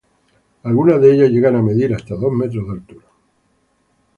Algunas de ellas llegan a medir hasta dos metros de altura.